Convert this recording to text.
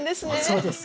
そうです。